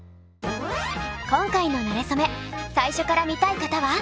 今回の「なれそめ」最初から見たい方は。